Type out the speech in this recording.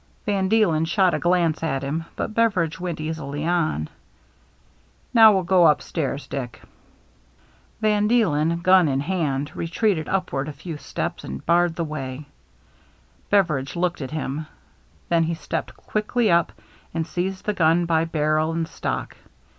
Van Dcclcn shot a glance at him, but Bever idge went easily on. " Now we'll go upstairs, Dick." Van Dcelcn, gun in hand, retreated upward THE MEETING 327 a few steps and barred the way. Beveridge looked at him, then he stepped quickly up and seized the gun by barrel and stock.